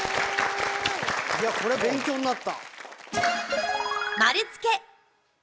これ勉強になった。